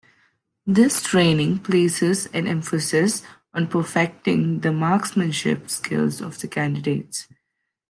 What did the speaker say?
This training places an emphasis on perfecting the marksmanship skills of the candidates.